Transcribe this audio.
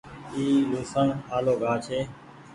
اي لهوسڻ آلو گآه ڇي۔